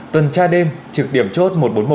tuần tra đêm trực điểm chốt một trăm bốn mươi một